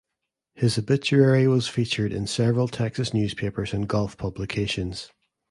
His obituary was featured in several Texas newspapers and golf publications.